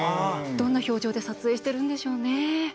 どんな表情で撮影してるんでしょうね。